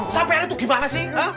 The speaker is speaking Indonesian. sampai hari itu gimana sih